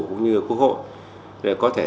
cũng như quốc hội để có thể